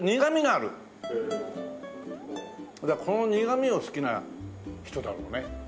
この苦みを好きな人だろうね